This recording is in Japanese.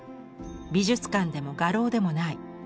美術館でも画廊でもない